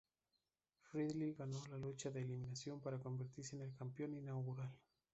Riddle ganó la lucha de eliminación para convertirse en el campeón inaugural.